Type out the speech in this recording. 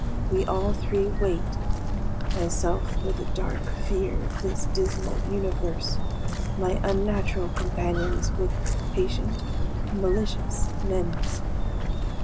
We all three wait, myself with a dark fear of this dismal universe, my unnatural companions with patient, malicious menace.